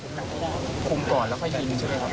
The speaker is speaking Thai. คุมก่อนแล้วค่อยยิงใช่ไหมครับ